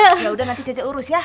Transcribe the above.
udah udah nanti caca urus ya